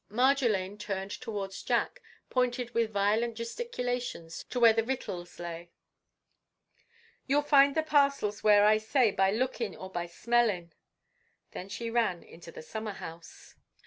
Marjolaine turned towards Jack, pointing with violent gesticulations to where the victuals lay:— "You'll find the parcels where I say By lookin' or by smellin'!" Then she ran into the summer house.